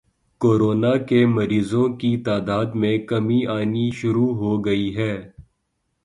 corona کے مریضوں کی تعداد میں کمی آنی شروع ہو گئی ہے